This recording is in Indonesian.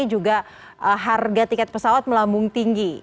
juga harga tiket pesawat melambung tinggi